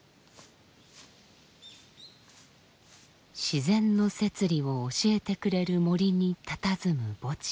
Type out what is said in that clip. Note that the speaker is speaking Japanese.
自然の摂理を教えてくれる森にたたずむ墓地。